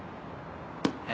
え。